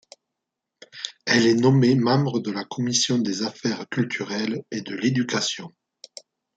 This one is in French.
Elle est nommée membre de la Commission des Affaires culturelles et de l'Éducation.